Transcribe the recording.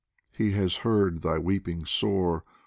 He has heard thy weeping sore.